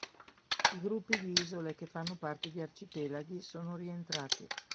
I gruppi di isole che fanno parte di arcipelaghi sono rientrati.